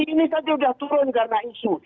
hari ini tadi sudah turun karena isu